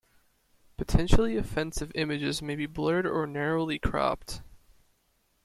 Potentially offensive images may be blurred or narrowly cropped.